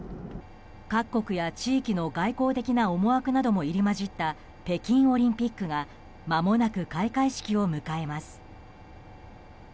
各国や地域の外交的な思惑なども入り混じった北京オリンピックがまもなく開会式を迎えます。